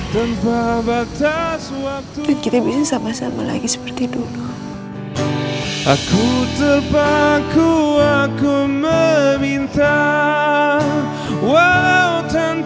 dan kita bisa sama sama lagi seperti dulu